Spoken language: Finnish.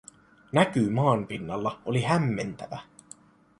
Näky maanpinnalla oli hämmentävä.